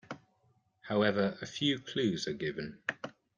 However, a few clues are given.